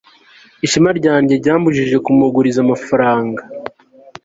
ishema ryanjye ryambujije kumuguriza amafaranga. (mcq